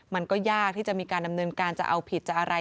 มันก็ยากที่จะมีการดำเนินการจะเอาผิดจะอะไร